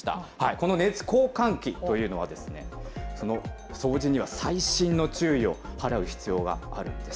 この熱交換器というのはこの掃除には細心の注意を払う必要があるんです。